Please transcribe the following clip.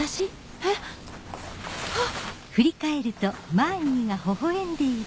えっ⁉あっ。